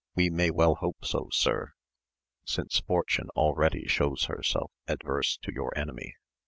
We may well hope so sir, since Fortune already shows herself adverse to your enemy.